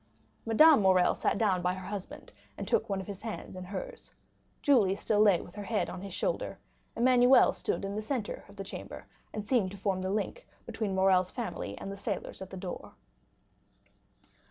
Madame Morrel sat down by her husband and took one of his hands in hers, Julie still lay with her head on his shoulder, Emmanuel stood in the centre of the chamber and seemed to form the link between Morrel's family and the sailors at the door.